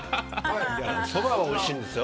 そばもおいしいですよ。